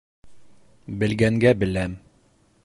Белгәнгә беләм.